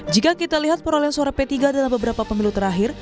jika kita lihat perolehan suara p tiga dalam beberapa pemilu terakhir